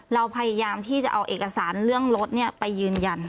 เราพยายามที่จะเอาเอกสารเรื่องรถไปยืนยัน